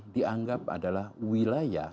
dianggap adalah wilayah